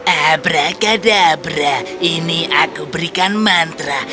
abrakadabra ini aku berikan mantra